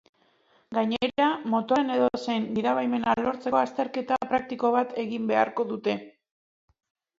Gainera, motorren edozein gidabaimena lortzeko azterketa praktiko bat egin beharko dute.